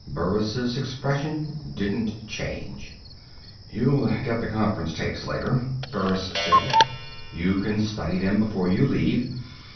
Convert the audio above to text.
Burris' expression didn't change. "You'll get the conference tapes later," Burris said. "You can study them before you leave.